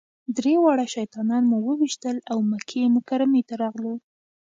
درې واړه شیطانان مو وويشتل او مکې مکرمې ته راغلو.